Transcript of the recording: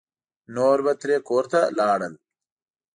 نور به ترې کور ته لاړل.